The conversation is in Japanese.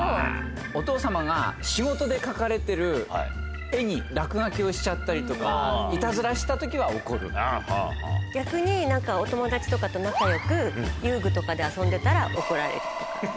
お父様が仕事で描かれてる絵に落書きをしちゃったりとか、逆に、なんかお友達とかと仲よく遊具とかで遊んでたら怒られるとか。